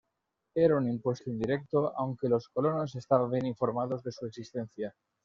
Era un impuesto indirecto, aunque los colonos estaban bien informados de su existencia.